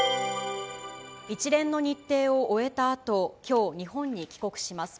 一連の日程を終えたあと、きょう、日本に帰国します。